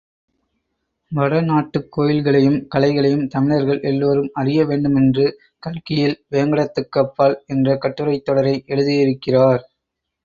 வடநாட்டுக் கோயில்களையும், கலைகளையும் தமிழர்கள் எல்லோரும் அறிய வேண்டுமென்று, கல்கியில் வேங்கடத்துக்கு அப்பால் என்ற கட்டுரைத் தொடரை எழுதியிருக்கிறார்.